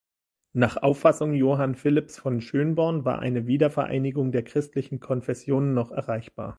Nach Auffassung Johann Philipps von Schönborn war eine Wiedervereinigung der christlichen Konfessionen noch erreichbar.